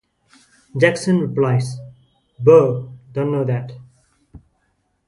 Jackson replies, Bo don't know that!